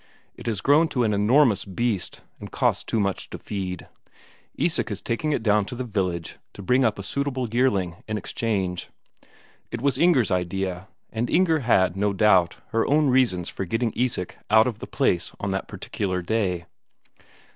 It has grown to an enormous beast, and costs too much to feed; Isak is taking it down to the village, to bring up a suitable yearling in exchange. It was Inger's idea. And Inger had no doubt her own reasons for getting Isak out of the place on that particular day.